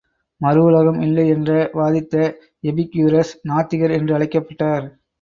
மறு உலகம் இல்லை என்று வாதித்த எபிக்யூரஸ், நாத்திகர் என்று அழைக்கப்பட்டார்.